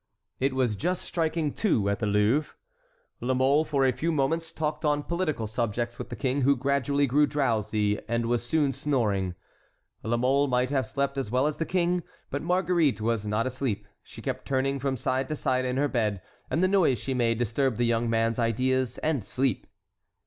It was just striking two at the Louvre. La Mole for a few moments talked on political subjects with the king, who gradually grew drowsy and was soon snoring. La Mole might have slept as well as the king, but Marguerite was not asleep; she kept turning from side to side in her bed, and the noise she made disturbed the young man's ideas and sleep.